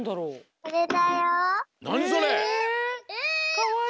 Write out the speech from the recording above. かわいい！